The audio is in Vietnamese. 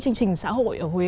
chương trình xã hội ở huế